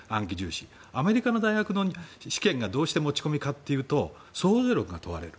アメリカの大学の試験がどうして持ち込み可かというと総合力が問われる。